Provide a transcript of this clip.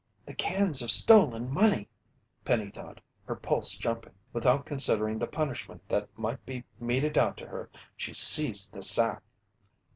"The cans of stolen money!" Penny thought, her pulse jumping. Without considering the punishment that might be meted out to her, she seized the sack.